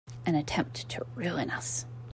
An attempt to ruin us!